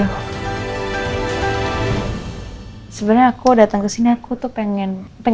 nah pokoknya saya akan mengikuti semua keinginan kamu